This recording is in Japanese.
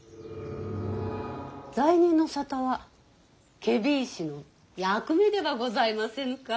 罪人の沙汰は検非違使の役目ではございませぬか。